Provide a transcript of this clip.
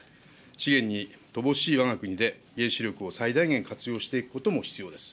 資源に乏しいわが国で、原子力を最大限活用していくことも必要です。